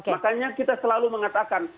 makanya kita selalu mengatakan